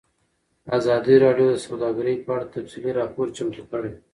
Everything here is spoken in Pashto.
ازادي راډیو د سوداګري په اړه تفصیلي راپور چمتو کړی.